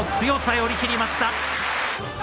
寄り切りました。